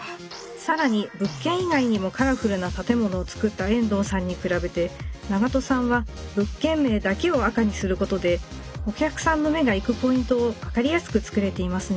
更に物件以外にもカラフルな建物を作った遠藤さんに比べて長渡さんは物件名だけを赤にすることでお客さんの目がいくポイントを分かりやすく作れていますね。